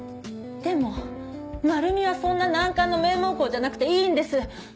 でもまるみはそんな難関の名門校じゃなくていいんです。